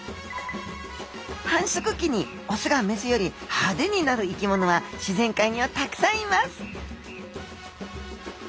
繁殖期にオスがメスより派手になる生き物は自然界にはたくさんいます